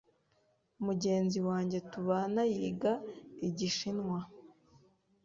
Mugenzi wanjye tubana yiga Igishinwa.